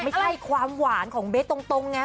ไม่ใช่ความหวานของเบ๊ตตรงไง